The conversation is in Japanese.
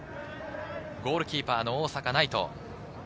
ゴールキーパーの大阪騎士。